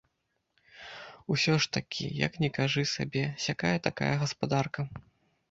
Усё ж такі, як ні кажы сабе, сякая-такая гаспадарка.